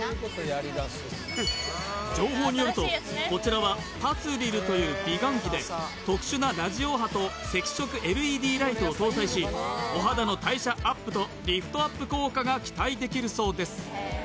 情報によるとこちらはパスリルという美顔器で特殊なラジオ波と赤色ＬＥＤライトを搭載しお肌の代謝アップとリフトアップ効果が期待できるそうです